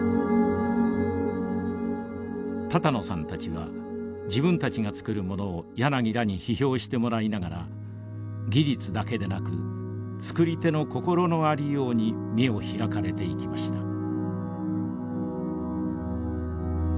多々納さんたちは自分たちが作るものを柳らに批評してもらいながら技術だけでなく作り手の心のありように目を開かれていきました。